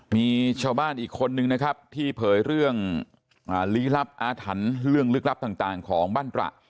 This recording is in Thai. มีชาวบ้านอีกคนนึงนะครับที่เผยเรื่องลี้ลับอาถรรพ์เรื่องลึกลับต่างของบ้านตระ